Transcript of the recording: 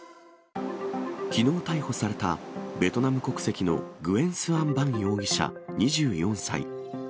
きのう逮捕されたベトナム国籍のグエン・スアン・バン容疑者２４歳。